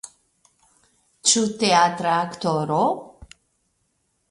Ĉu teatra aktoro?